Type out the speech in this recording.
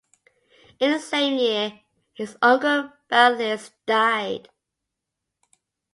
In the same year, his uncle Baron Leys died.